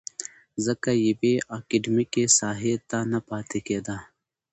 ځکه يوې اکادميکې ساحې ته نه پاتې کېده.